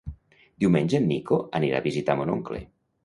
Diumenge en Nico anirà a visitar mon oncle.